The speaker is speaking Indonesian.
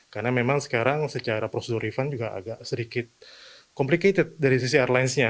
karena memang sekarang secara prosedur refund juga agak sedikit complicated dari sisi airlinesnya